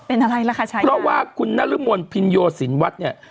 เพราะว่าคุณนรมนภินโยศินวัตน์เนี่ย